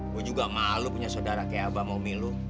gue juga malu punya sodara kayak abang sama umi lu